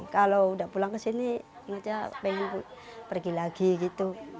kalau udah pulang ke sini ingetnya pengen pergi lagi gitu